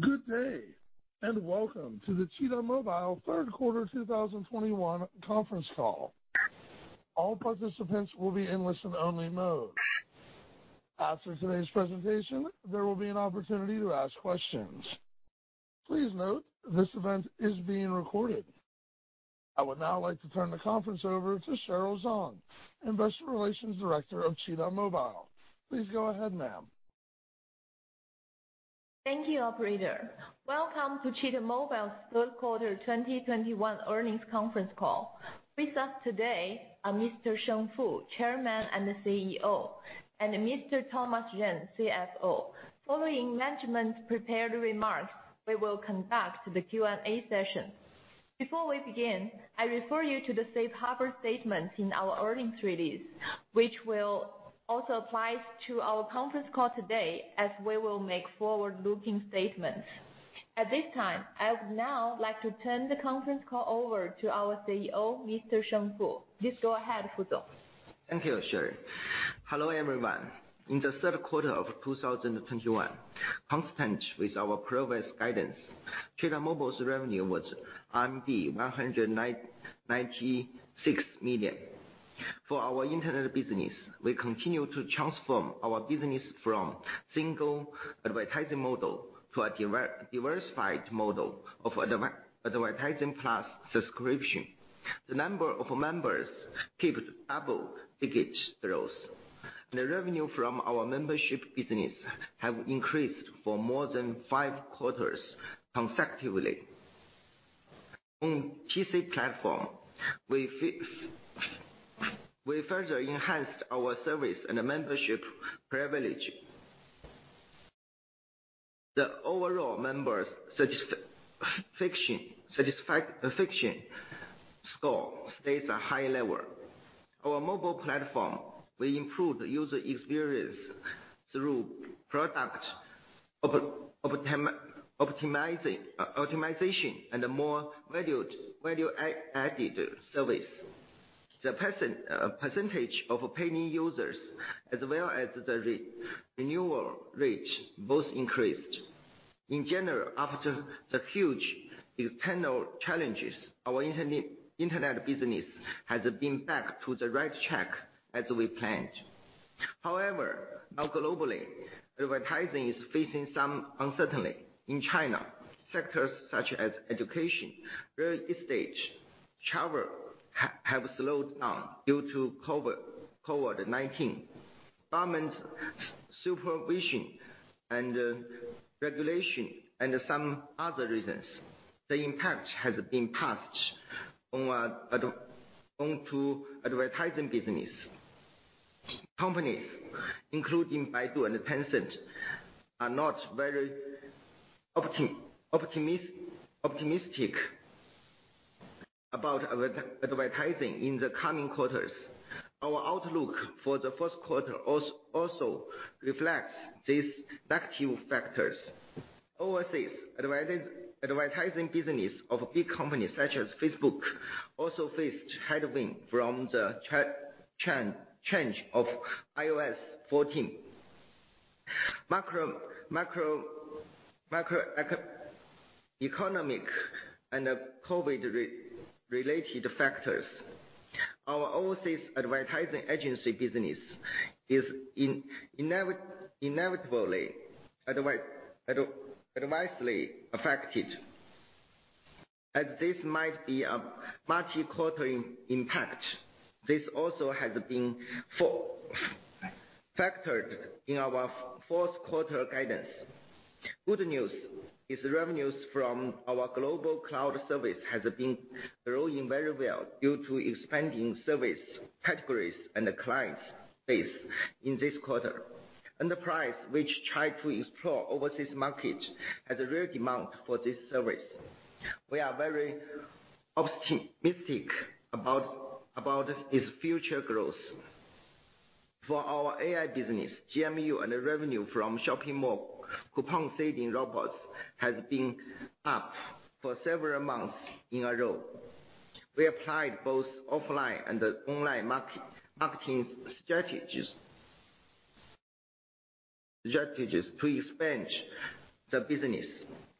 Good day, and welcome to the Cheetah Mobile Q3 2021 conference call. All participants will be in listen only mode. After today's presentation, there will be an opportunity to ask questions. Please note this event is being recorded. I would now like to turn the conference over to Sheryl Zhang, Investor Relations Director of Cheetah Mobile. Please go ahead, ma'am. Thank you, operator. Welcome to Cheetah Mobile's Q3 2021 earnings conference call. With us today are Mr. Sheng Fu, Chairman and CEO, and Mr. Thomas Ren, CFO. Following management's prepared remarks, we will conduct the Q&A session. Before we begin, I refer you to the safe harbor statement in our earnings release, which will also apply to our conference call today, as we will make forward-looking statements. At this time, I would now like to turn the conference call over to our CEO, Mr. Sheng Fu. Please go ahead, Sheng Fu. Thank you, Sheryl. Hello, everyone. In the third quarter of 2021, consistent with our previous guidance, Cheetah Mobile's revenue was 199.6 million. For our internet business, we continue to transform our business from single advertising model to a diversified model of advertising plus subscription. The number of members kept double-digit growth. The revenue from our membership business have increased for more than five quarters consecutively. In PC platform, we further enhanced our service and membership privilege. The overall members satisfaction score stays a high level. Our mobile platform, we improved user experience through product optimization and more value-added service. The percentage of paying users as well as the renewal rate both increased. In general, after the huge external challenges, our internet business has been back to the right track as we planned. However, now globally, advertising is facing some uncertainty. In China, sectors such as education, real estate, travel, have slowed down due to COVID-19. Government supervision and regulation and some other reasons, the impact has been passed on to advertising business. Companies including Baidu and Tencent are not very optimistic about advertising in the coming quarters. Our outlook for the first quarter also reflects these negative factors. Overseas advertising business of big companies such as Facebook also faced headwind from the change of iOS 14. Macroeconomic and COVID-related factors. Our overseas advertising agency business is inevitably adversely affected. As this might be a multi-quarter impact, this also has been factored in our fourth quarter guidance. Good news is revenues from our global cloud service has been growing very well due to expanding service categories and the client base in this quarter. Enterprises, which try to explore overseas market, have a real demand for this service. We are very optimistic about its future growth. For our AI business, GMV and revenue from shopping mall coupon saving robots has been up for several months in a row. We applied both offline and online marketing strategies to expand the business.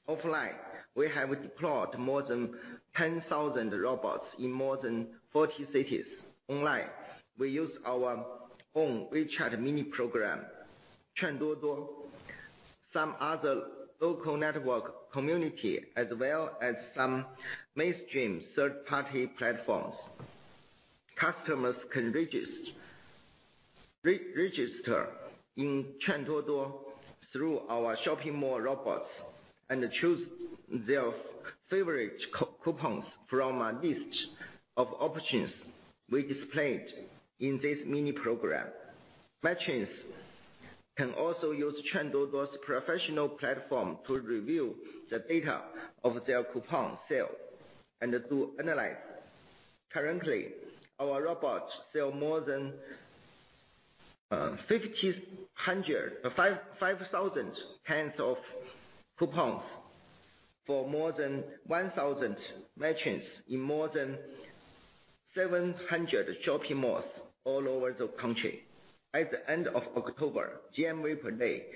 Offline, we have deployed more than 10,000 robots in more than 40 cities. Online, we use our own WeChat mini program, (Non-English content), some other local network community, as well as some mainstream third-party platforms. Customers can register in (Non-English content) through our shopping mall robots and choose their favorite coupons from a list of options we displayed in this mini program. Merchants can also use (Non-English content) professional platform to review the data of their coupon sale and analyze. Currently, our robots sell more than 5,000... 5,000 kinds of coupons for more than 1,000 merchants in more than 700 shopping malls all over the country. At the end of October, GMV per day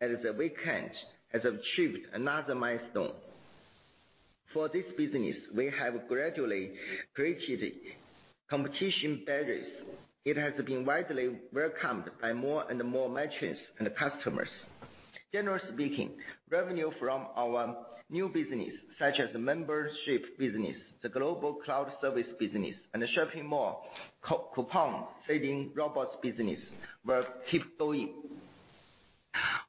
at the weekend has achieved another milestone. For this business, we have gradually breached competition barriers. It has been widely welcomed by more and more merchants and customers. Generally speaking, revenue from our new business, such as the membership business, the global cloud service business, and the shopping mall co-coupon saving robots business, will keep growing.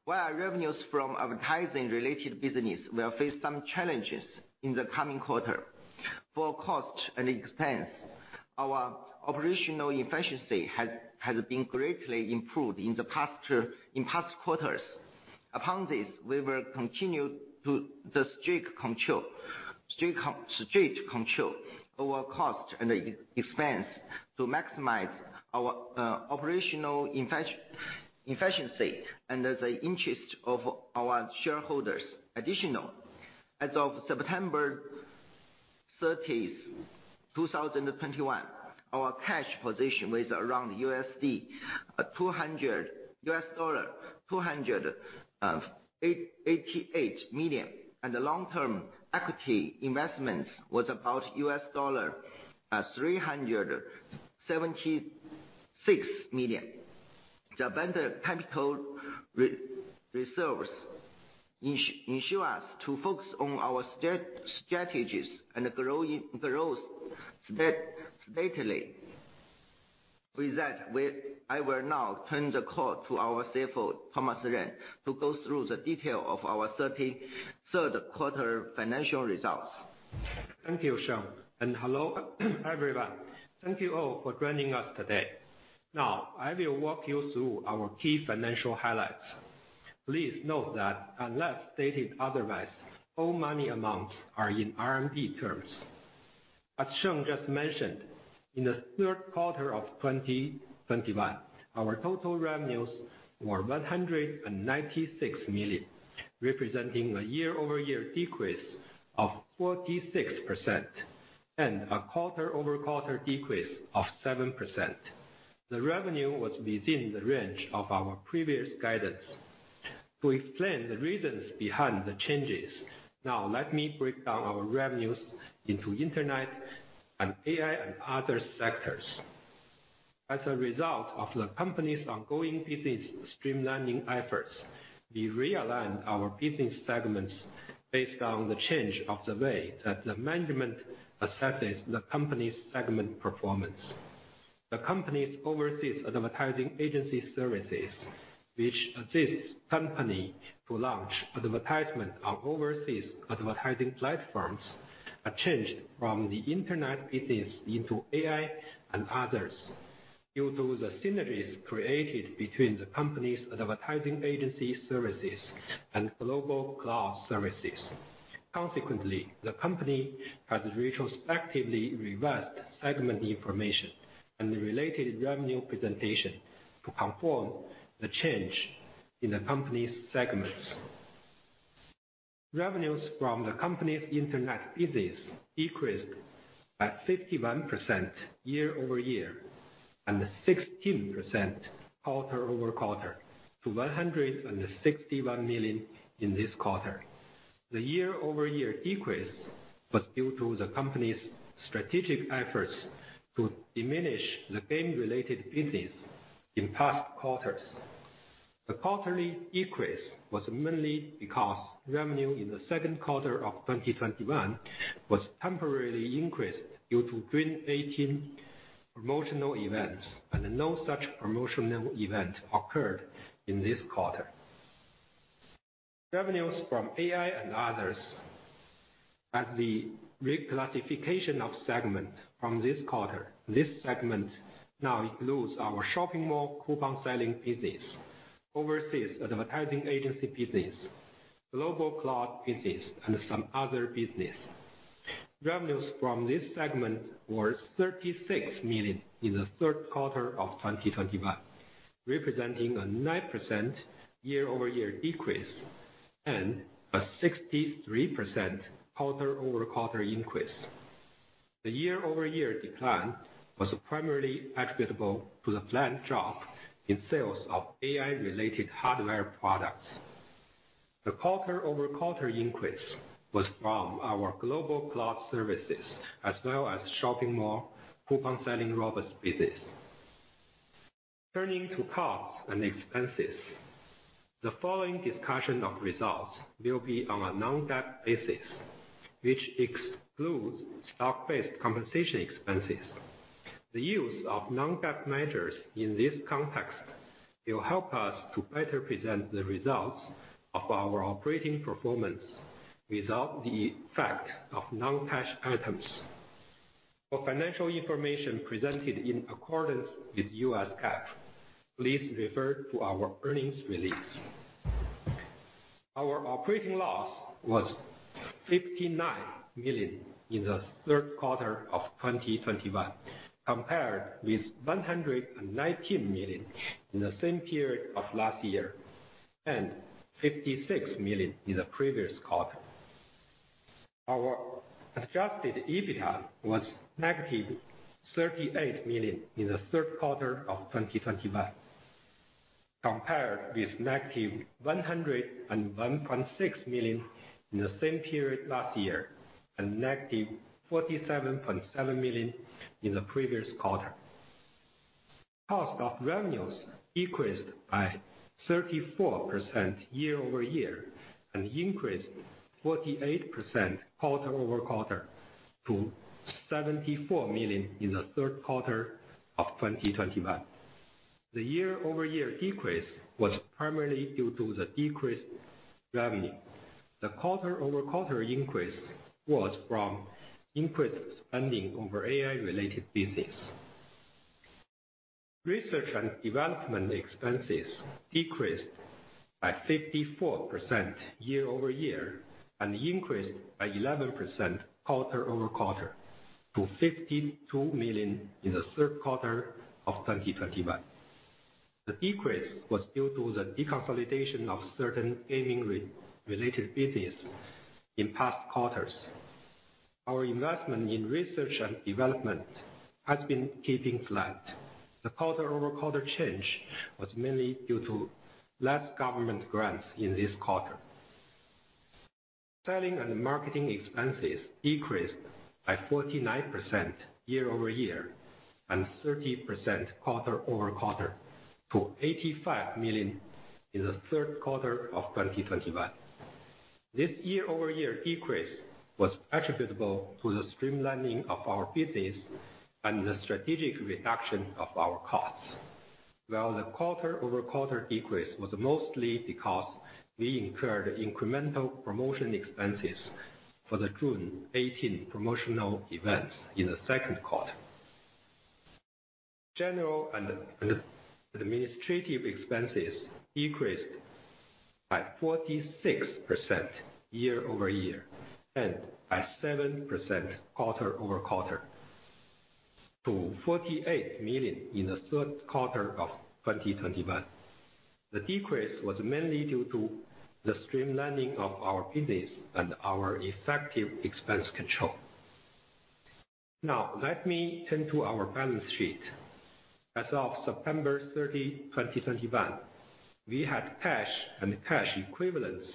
While our revenues from advertising-related business will face some challenges in the coming quarter. For cost and expense, our operational efficiency has been greatly improved in past quarters. Upon this, we will continue the strict control over cost and expense to maximize our operational efficiency and the interest of our shareholders. Additionally, as of September 30th 2021, our cash position was around $288 million, and the long-term equity investments was about $376 million. The abundant capital reserves ensure us to focus on our strategies and growing steadily. With that, I will now turn the call to our CFO, Thomas Ren, to go through the detail of our Q3 financial results. Thank you, Sheng, and hello everyone. Thank you all for joining us today. Now, I will walk you through our key financial highlights. Please note that unless stated otherwise, all money amounts are in RMB terms. As Sheng just mentioned, in the Q3 of 2021, our total revenues were 196 million, representing a year-over-year decrease of 46% and a quarter-over-quarter decrease of seven percent. The revenue was within the range of our previous guidance. To explain the reasons behind the changes, now let me break down our revenues into Internet and AI and other sectors. As a result of the company's ongoing business streamlining efforts, we realigned our business segments based on the change of the way that the management assesses the company's segment performance. The company's overseas advertising agency services, which assists the company to launch advertisement on overseas advertising platforms, are changed from the Internet business into AI and others due to the synergies created between the company's advertising agency services and global cloud services. Consequently, the company has retrospectively revised segment information and the related revenue presentation to conform to the change in the company's segments. Revenues from the company's Internet business decreased at 51% year-over-year and 16% quarter-over-quarter to 161 million in this quarter. The year-over-year decrease was due to the company's strategic efforts to diminish the game-related business in past quarters. The quarterly decrease was mainly because revenue in the Q2 of 2021 was temporarily increased due to 618 promotional events, and no such promotional event occurred in this quarter. Revenues from AI and others. As the reclassification of the segment from this quarter, this segment now includes our shopping mall coupon selling business, overseas advertising agency business, global cloud business, and some other business. Revenues from this segment were 36 million in the Q3 of 2021, representing a 9% year-over-year decrease and a 63% quarter-over-quarter increase. The year-over-year decline was primarily attributable to the planned drop in sales of AI-related hardware products. The quarter-over-quarter increase was from our global cloud services as well as shopping mall coupon selling robots business. Turning to costs and expenses. The following discussion of results will be on a non-GAAP basis, which excludes stock-based compensation expenses. The use of non-GAAP measures in this context will help us to better present the results of our operating performance without the effect of non-cash items. For financial information presented in accordance with US GAAP, please refer to our earnings release. Our operating loss was 59 million in the third quarter of 2021, compared with 119 million in the same period of last year, and 56 million in the previous quarter. Our adjusted EBITDA was -38 million in the Q3 of 2021, compared with -101.6 million in the same period last year, and -47.7 million in the previous quarter. Cost of revenues decreased by 34% year-over-year and increased 48% quarter-over-quarter to 74 million in the third quarter of 2021. The year-over-year decrease was primarily due to the decreased revenue. The quarter-over-quarter increase was from increased spending over AI-related business. Research and development expenses decreased by 54% year-over-year and increased by 11% quarter-over-quarter to 52 million in the Q3 of 2021. The decrease was due to the deconsolidation of certain gaming-related business in past quarters. Our investment in research and development has been keeping flat. The quarter-over-quarter change was mainly due to less government grants in this quarter. Selling and marketing expenses decreased by 49% year-over-year and 30% quarter-over-quarter to 85 million in the Q3 of 2021. This year-over-year decrease was attributable to the streamlining of our business and the strategic reduction of our costs, while the quarter-over-quarter decrease was mostly because we incurred incremental promotion expenses for the June 18 promotional events in the second quarter. General and administrative expenses decreased by 46% year-over-year and by 7% quarter-over-quarter to 48 million in the third quarter of 2021. The decrease was mainly due to the streamlining of our business and our effective expense control. Now let me turn to our balance sheet. As of September 30, 2021, we had cash and cash equivalents,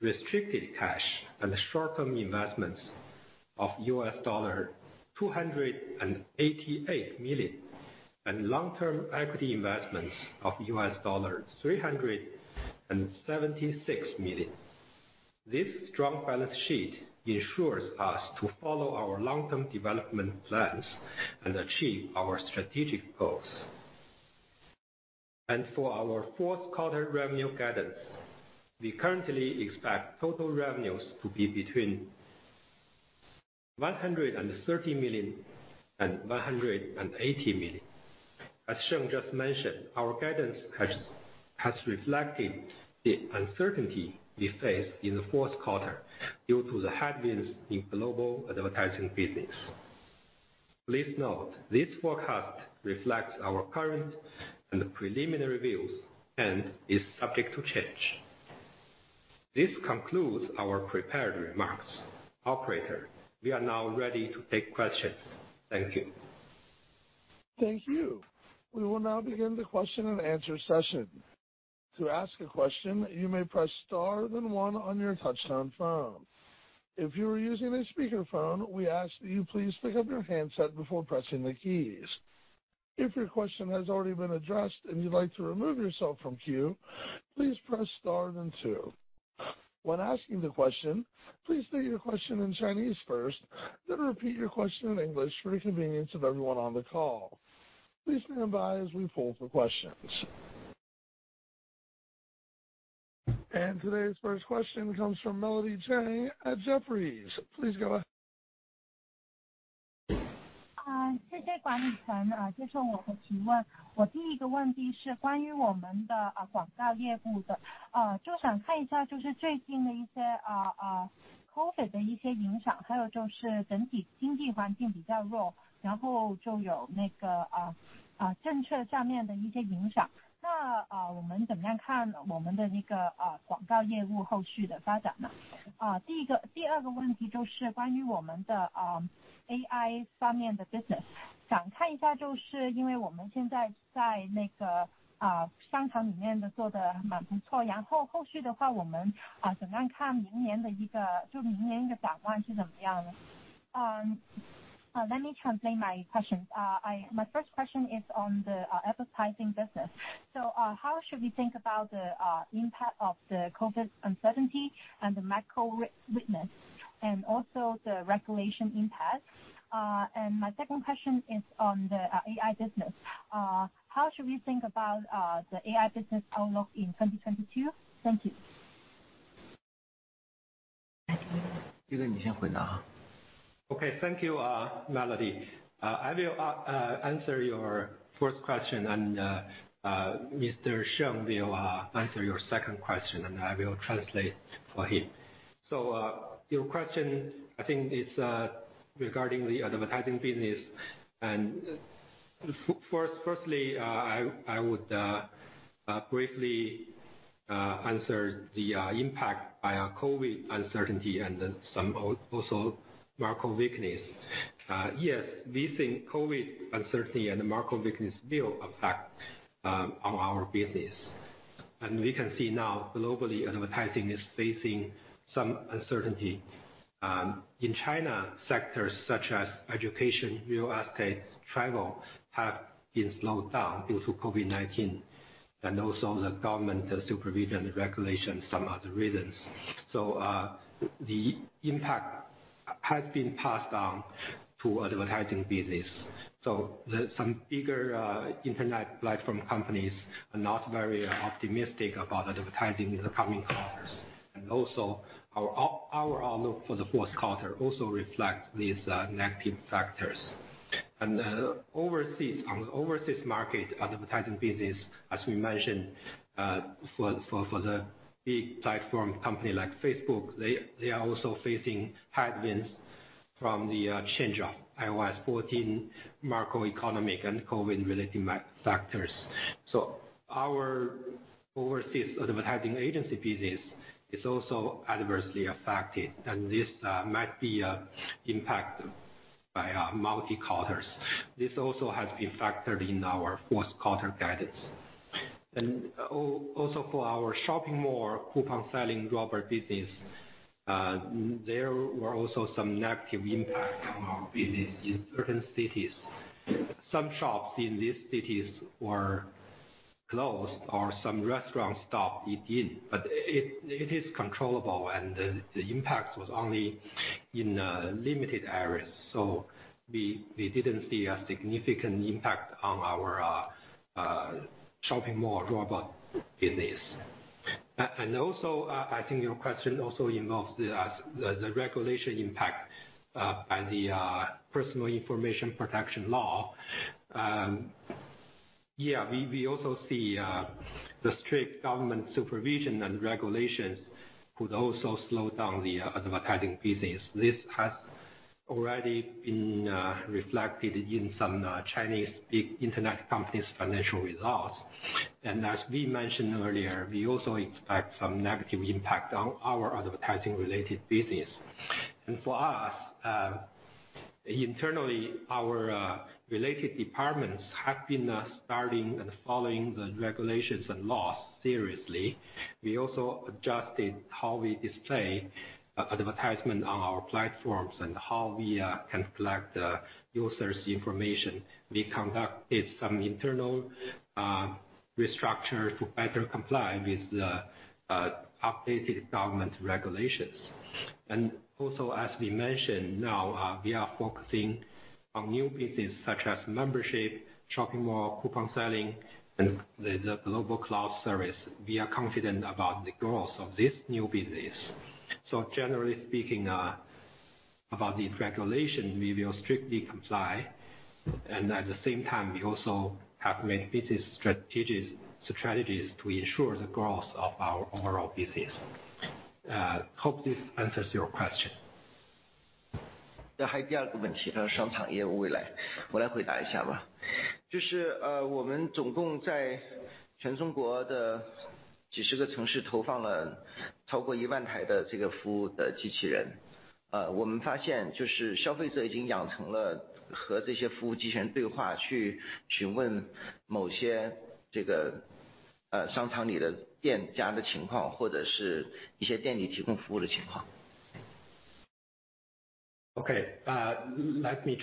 restricted cash and short-term investments of $288 million and long-term equity investments of $376 million. This strong balance sheet ensures us to follow our long-term development plans and achieve our strategic goals. For our fourth quarter revenue guidance, we currently expect total revenues to be between 130 million and 180 million. As Sheng just mentioned, our guidance has reflected the uncertainty we face in the fourth quarter due to the headwinds in global advertising business. Please note this forecast reflects our current and preliminary views and is subject to change. This concludes our prepared remarks. Operator, we are now ready to take questions. Thank you. Thank you. We will now begin the question and answer session. To ask a question, you may press star then one on your touchtone phone. If you are using a speakerphone, we ask that you please pick up your handset before pressing the keys. If your question has already been addressed and you'd like to remove yourself from queue, please press star then two. When asking the question, please state your question in Chinese first, then repeat your question in English for the convenience of everyone on the call. Please stand by as we poll for questions. Today's first question comes from Melody Cheng at Jefferies. Please go ahead. Let me translate my question. My first question is on the advertising business. How should we think about the impact of the COVID uncertainty and the macro weakness and also the regulation impact? My second question is on the AI business. How should we think about the AI business outlook in 2022? Thank you. Okay. Thank you, Melody. I will answer your first question and Mr. Sheng will answer your second question, and I will translate for him. Your question, I think it's regarding the advertising business and firstly, I would briefly answer the impact by COVID uncertainty and then some also macro weakness. Yes, we think COVID uncertainty and macro weakness will affect on our business. We can see now globally advertising is facing some uncertainty. In China, sectors such as education, real estate, travel, have been slowed down due to COVID-19. Also the government supervision, the regulation, some other reasons. The impact has been passed down to advertising business. Some bigger internet platform companies are not very optimistic about advertising in the coming quarters. Also our outlook for the fourth quarter also reflect these negative factors. On the overseas market advertising business, as we mentioned, for the big platform company like Facebook, they are also facing headwinds from the change of iOS 14, macroeconomic and COVID-related factors. Our overseas advertising agency business is also adversely affected, and this might be impacted by multiple quarters. This also has been factored in our fourth quarter guidance. Also for our shopping mall coupon selling robot business, there were also some negative impact on our business in certain cities. Some shops in these cities were closed or some restaurants stopped operating. It is controllable and the impact was only in limited areas. We didn't see a significant impact on our shopping mall robot business. Also, I think your question also involves the regulation impact by the Personal Information Protection Law. We also see the strict government supervision and regulations could also slow down the advertising business. This has already been reflected in some Chinese big internet companies' financial results. As we mentioned earlier, we also expect some negative impact on our advertising related business. For us internally, our related departments have been starting and following the regulations and laws seriously. We also adjusted how we display advertisement on our platforms and how we can collect users' information. We conducted some internal restructure to better comply with the updated government regulations. As we mentioned now, we are focusing on new business such as membership, shopping mall, coupon selling, and the global cloud service. We are confident about the growth of this new business. Generally speaking, about these regulations, we will strictly comply. At the same time we also have made business strategies to ensure the growth of our overall business. Hope this answers your question. Let me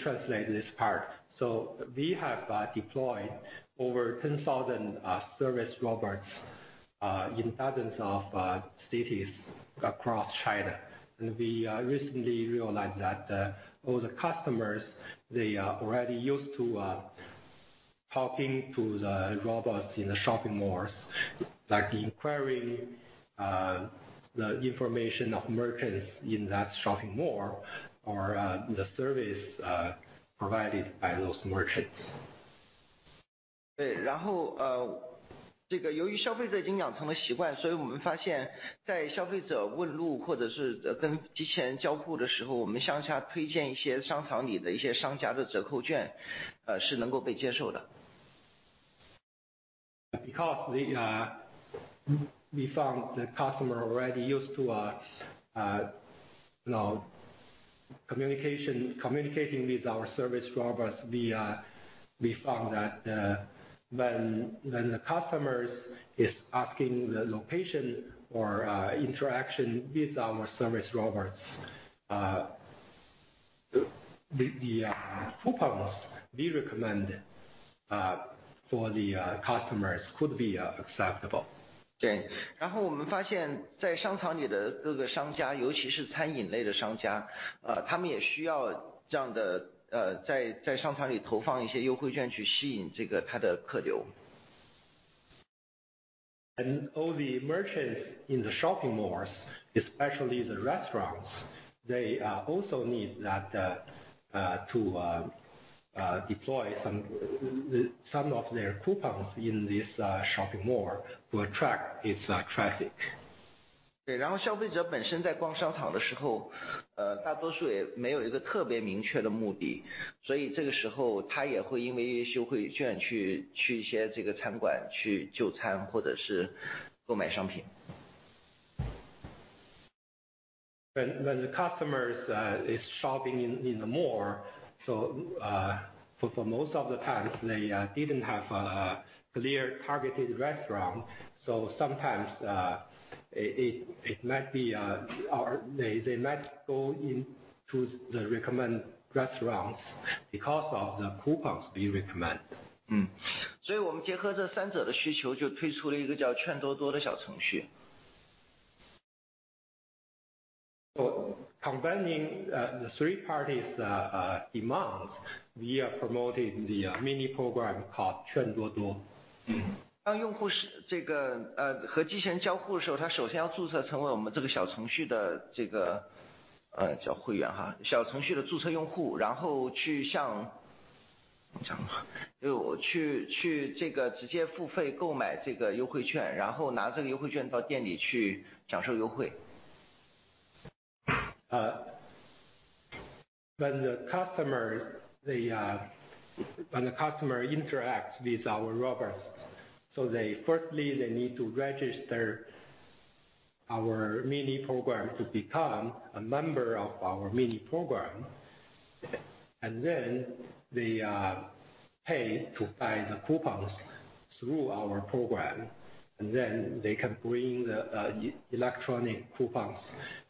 translate this part. We have deployed over 10,000 service robots in thousands of cities across China. We recently realized that all the customers, they are already used to talking to the robots in the shopping malls, like inquiring the information of merchants in that shopping mall or the service provided by those merchants. Because we found the customer already used to, you know, communicating with our service robots. We found that when the customers is asking the location or interaction with our service robots, the coupons we recommend for the customers could be acceptable. All the merchants in the shopping malls, especially the restaurants, they also need that to deploy some of their coupons in this shopping mall to attract its traffic. (Non-English content) When the customer is shopping in the mall. For most of the times, they didn't have a clear targeted restaurant. Sometimes it might be or they might go into the recommend restaurants because of the coupons we recommend. (Non-English content) Combining the three parties' demands, we are promoting the mini program called (Non-English content). (Non-English content) When the customer interacts with our robots. They first need to register our mini program to become a member of our mini program. They pay to buy the coupons through our program. They can bring the electronic coupons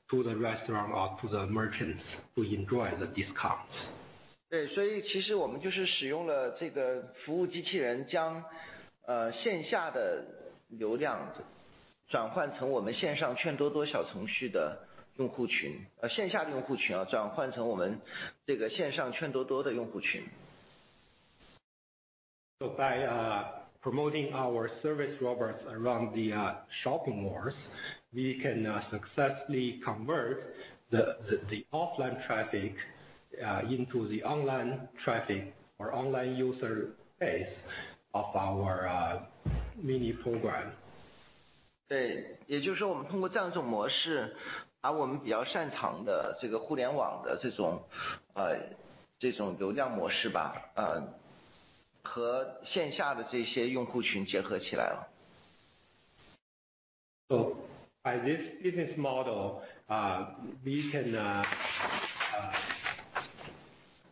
to the restaurant or to the merchants to enjoy the discounts. (Non-English content) By promoting our service robots around the shopping malls, we can successfully convert the offline traffic into the online traffic or online user base of our mini program. (Non-English content) By this business model, we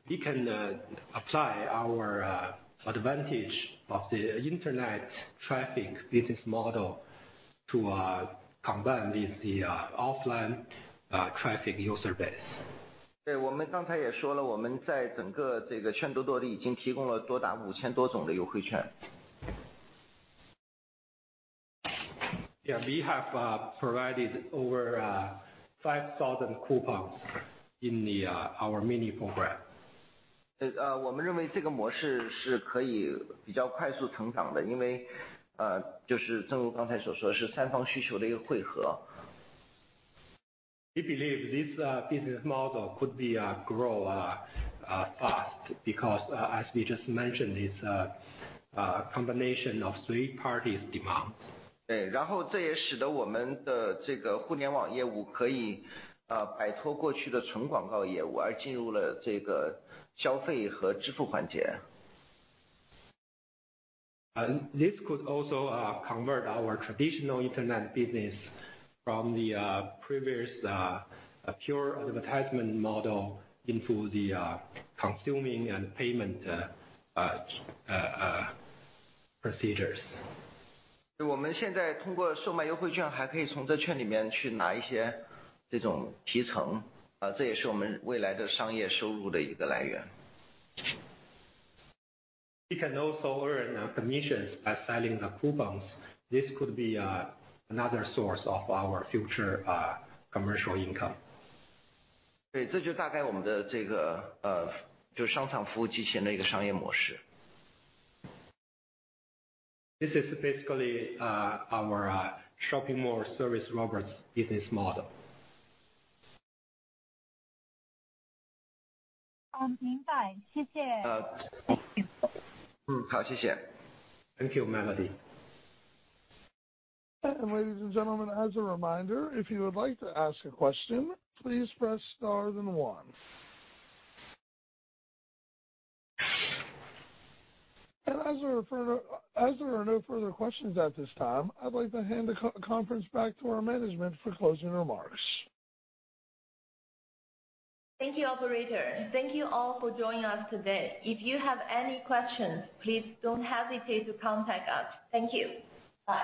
can apply our advantage of the internet traffic business model to combine with the offline traffic user base. (Non-English content) Yeah, we have provided over 5,000 coupons in our mini program. (Non-English content) We believe this business model could grow fast, because as we just mentioned, it's a combination of three parties demands. (Non-English content) This could also convert our traditional internet business from the previous pure advertising model into the consumption and payment process. (Non-English content) We can also earn our commissions by selling the coupons. This could be another source of our future commercial income. (Non-English content) This is basically our shopping mall service robot business model. (Non-English content) (Non-English content) Thank you, Melody. Ladies and gentlemen, as a reminder, if you would like to ask a question, please press star then one. As there are no further questions at this time, I'd like to hand the conference back to our management for closing remarks. Thank you, operator. Thank you all for joining us today. If you have any questions, please don't hesitate to contact us. Thank you. Bye.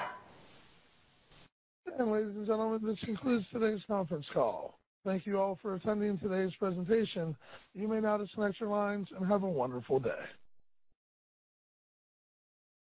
Ladies and gentlemen, this concludes today's conference call. Thank you all for attending today's presentation. You may now disconnect your lines and have a wonderful day.